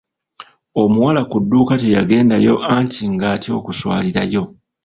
Omuwala ku dduuka teyagendayo anti nga atya okuswalirayo.